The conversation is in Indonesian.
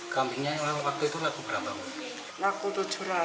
kambingnya yang lama waktu itu laku berapa